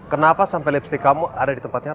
kenapa sampai lipstick kamu ada di tempatnya ron